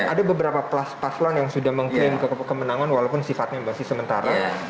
ada beberapa paslon yang sudah mengklaim kemenangan walaupun sifatnya masih sementara